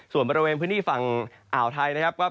ส่วนบริเวณพื้นที่ฝั่งอ่าวไทยนะครับ